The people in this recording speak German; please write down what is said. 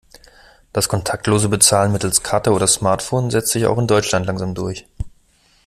Das kontaktlose Bezahlen mittels Karte oder Smartphone setzt sich auch in Deutschland langsam durch.